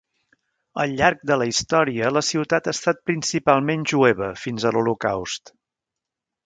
Al llarg de la història la ciutat ha estat principalment jueva fins a l'Holocaust.